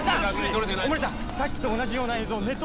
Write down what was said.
さっきと同じような映像ネット